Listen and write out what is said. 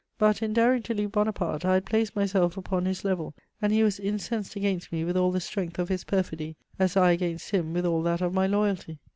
But, in daring to leave Bonaparte, I had placed myself upon his level, and he was incensed against me with all the strength of his perfidy, as I against him with all that of my loyalty.